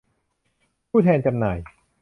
ผู้แทนจำหน่าย